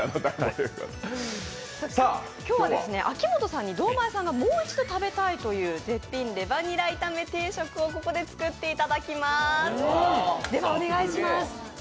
今日は秋元さんに堂前さんがもう一度食べたいという絶品レバニラ炒め定食をここで作っていただきます。